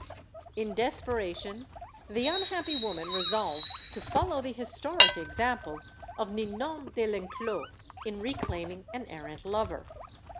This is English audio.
In desperation, the unhappy woman resolved to follow the historic example of Ninon de Lenclos in re claiming an errant lover.